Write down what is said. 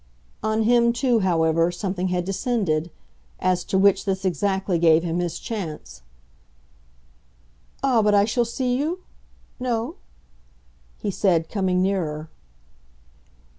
On him too, however, something had descended; as to which this exactly gave him his chance. "Ah, but I shall see you ! No?" he said, coming nearer.